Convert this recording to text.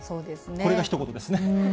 これが、ひと言ですね。